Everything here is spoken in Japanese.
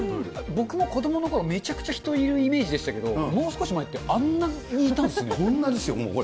僕が子どものころ、めちゃくちゃ人いるイメージでしたけど、もう少し前ってあんなにこんなですよ。